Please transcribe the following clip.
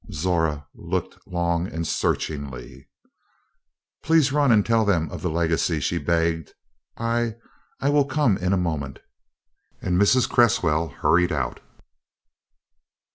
Zora looked long and searchingly. "Please run and tell them of the legacy," she begged. "I I will come in a moment." And Mrs. Cresswell hurried out.